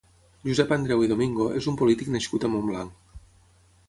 Josep Andreu i Domingo és un polític nascut a Montblanc.